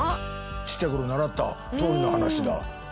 ちっちゃいころ習ったとおりの話だ。